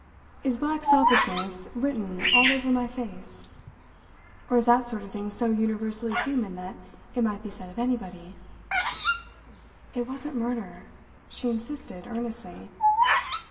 Is black selfishness written all over my face? Or is that sort of thing so universally human that it might be said of anybody?" "It wasn't murder," she insisted earnestly.